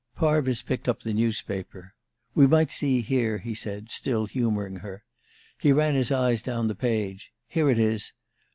Parvis picked up the newspaper. "We might see here," he said, still humoring her. He ran his eyes down the page. "Here it is.